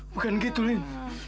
bukan gitu lin